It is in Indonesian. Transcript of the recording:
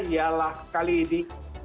ya lah kali ini